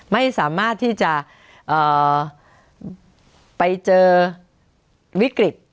ไม่สามารถที่จะไปเจอวิกฤต